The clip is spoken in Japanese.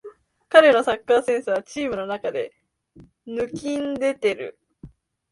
彼のサッカーセンスはチームの中で抜きんでてる